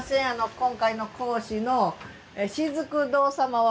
今回の講師のしずく堂様は？